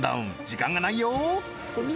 時間がないよ